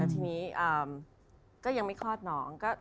ทีนี้ยังไม่ขอดน้อง